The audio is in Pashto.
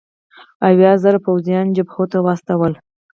اویا زره پوځیان جبهو ته واستول.